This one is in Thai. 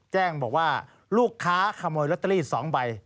แจ้งบอกว่าลูกค้าขโมยลอตเตอรี่๒ใบ